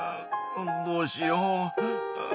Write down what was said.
どうしよう。